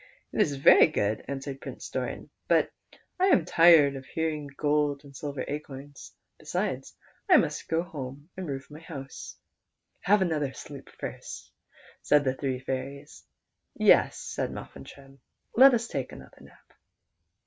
"It is very good," answered Prince Doran, 'but 1 am tired hearing the gold and silver acorns, besides I must go home and roof my house." 164 PRINCE DORAN. " Have another sleep first," said the three fairies. " Yes," said Muff and Trim, " let us take another nap.